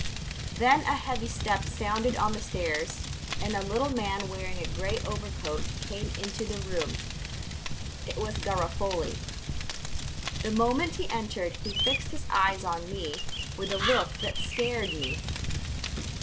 Then a heavy step sounded on the stairs and a little man wearing a gray overcoat came into the room. It was Garofoli. The moment he entered he fixed his eyes on me with a look that scared me.